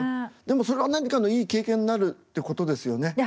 でもそれは何かのいい経験になるってことですよね。